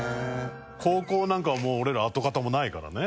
高校なんかはもう俺ら跡形もないからね。